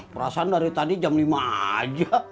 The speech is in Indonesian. perasaan dari tadi jam lima aja